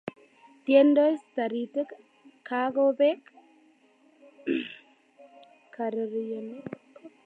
Tiendos Taritik, kakobek karironet